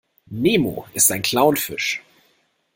Nemo ist ein Clownfisch.